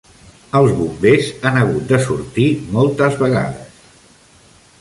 Els Bombers han hagut de sortir moltes vegades